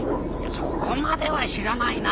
そこまでは知らないな。